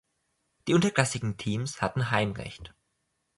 Die unterklassigen Teams hatten Heimrecht.